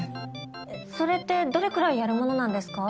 それってどれくらいやるものなんですか？